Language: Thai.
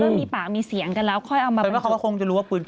เริ่มมีปากมีเสียงกันแล้วค่อยเอามันจุก